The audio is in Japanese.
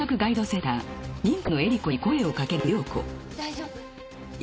大丈夫？